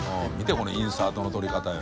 このインサートの撮り方よ。